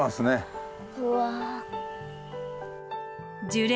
樹齢